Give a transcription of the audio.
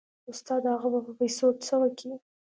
استاده هغه به په پيسو څه وكي.